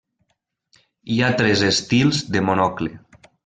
Hi ha tres estils de monocle.